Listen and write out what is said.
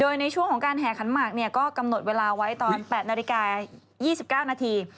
โดยในช่วงของการแห่ขันหมากก็กำหนดเวลาไว้ตอน๘นาฬิกา๒๙นาที